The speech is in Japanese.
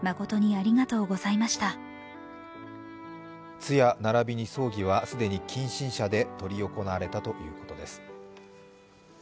通夜並びに葬儀は既に近親者で執り行われたということです。